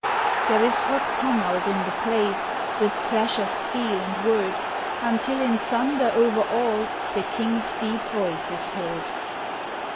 There is hot tumult in the place, With clash of steel and word, Until in thunder over all The king s deep voice is heard.